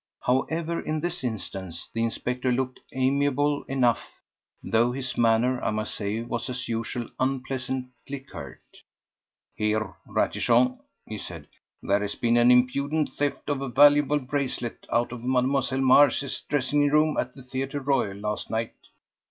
However, in this instance the inspector looked amiable enough, though his manner, I must say, was, as usual, unpleasantly curt. "Here, Ratichon," he said, "there has been an impudent theft of a valuable bracelet out of Mademoiselle Mars' dressing room at the Theatre Royal last night.